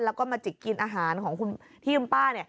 แล้วก็มาจิกกินอาหารของคุณที่คุณป้า